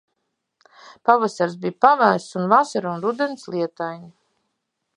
Pavasars bij pavēss un vasara un rudens lietaini.